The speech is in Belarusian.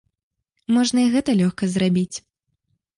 Можна і гэта лёгка зрабіць.